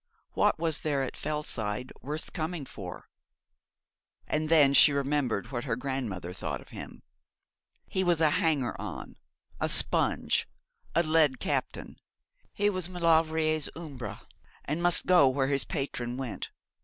What was there at Fellside worth coming for? And then she remembered what her grandmother thought of him. He was a hanger on, a sponge, a led captain. He was Maulevrier's Umbra, and must go where his patron went.